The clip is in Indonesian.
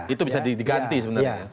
itu bisa diganti sebenarnya